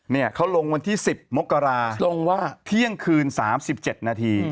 เนี่ยเขาลงวันที่๑๐มกราลงว่าเที่ยงคืน๓๗นาที